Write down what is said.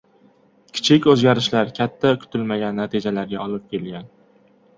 Kichik o‘zgarishlar katta kutilmagan natijalarga olib kelgan.